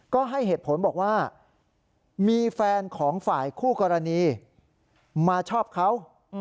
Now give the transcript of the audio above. ก็ให้เหตุผลบอกว่ามีแฟนของฝ่ายคู่กรณีมาชอบเขา